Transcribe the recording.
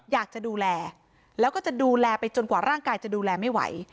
อยากจะดูแลแล้วก็จะดูแลไปจนกว่าร่างกายจะดูแลไม่ไหว